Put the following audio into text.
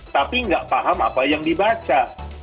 tapi nggak paham apa yang dibaca